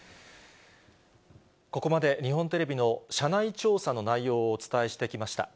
ここまで日本テレビの社内調査の内容をお伝えしてきました。